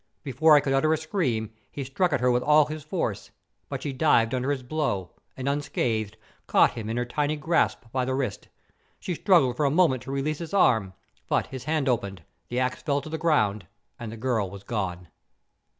Before I could utter a scream, he struck at her with all his force, but she dived under his blow, and unscathed, caught him in her tiny grasp by the wrist. He struggled for a moment to release his arm, but his hand opened, the axe fell to the ground, and the girl was gone.